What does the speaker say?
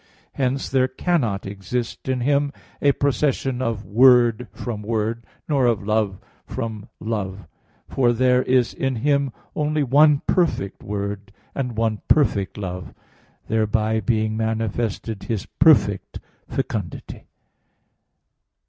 Hence there cannot exist in Him a procession of Word from Word, nor of Love from Love: for there is in Him only one perfect Word, and one perfect Love; thereby being manifested His perfect fecundity.